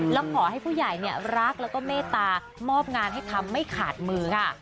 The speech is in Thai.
แล้วขอให้ผู้ใหญ่รักแล้วก็เมตตามอบงานให้ทำไม่ขาดมือค่ะ